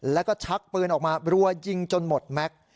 แล้วก็ชักปืนออกมารัวยิงจนหมดแม็กซ์